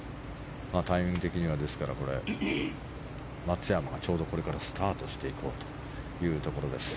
タイミング的には松山がちょうどこれからスタートしていくところです。